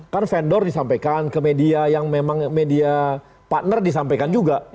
kan vendor disampaikan ke media yang memang media partner disampaikan juga